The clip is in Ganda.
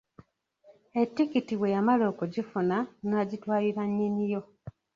Ettikiti bwe yamala okugifuna, n'agitwalira nnyini yo.